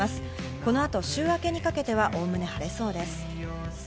この後、週明けにかけてはおおむね晴れそうです。